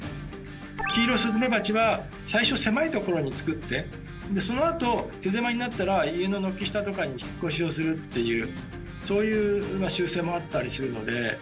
キイロスズメバチは最初狭い所に作ってそのあと手狭になったら家の軒下とかに引っ越しをするっていうそういう習性もあったりするので。